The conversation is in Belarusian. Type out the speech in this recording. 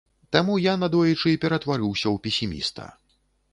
Таму я надоечы ператварыўся ў песіміста.